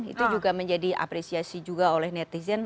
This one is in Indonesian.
itu juga menjadi apresiasi juga oleh netizen